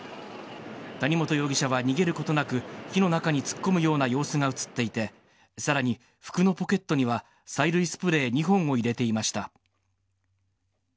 谷本容疑者は、逃げることなく火の中に突っ込むような様子が映っていてさらに、服のポケットには催涙スプレー２本を入れていました。